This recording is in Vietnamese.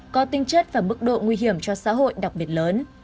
có tinh chất và mức độ nguy hiểm cho xã hội đặc biệt lớn